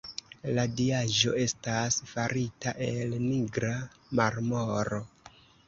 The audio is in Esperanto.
La diaĵo estas farita el nigra marmoro.